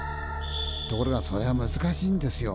ところがそれは難しいんですよ。